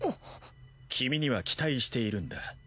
君には期待しているんだ。